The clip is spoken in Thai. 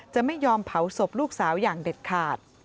จะไม่ยอมเผาศพลูกสาวอย่างเด็ดขาด